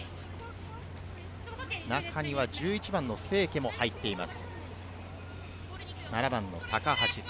中には１１番・清家も入っています。